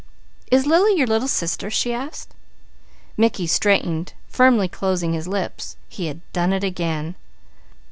"Is Lily your little sister?" she asked. Mickey straightened, firmly closing his lips. He had done it again.